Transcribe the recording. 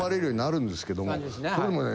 それもね